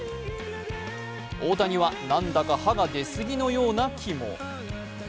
大谷はなんだか歯が出すぎのような気も。